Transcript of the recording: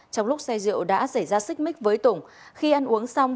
trong lúc xe rượu đã xảy ra xích mích với tùng khi ăn uống xong